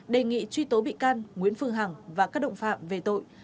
đề nghị truy tố bị can nguyễn phương hằng và các động phạm về tội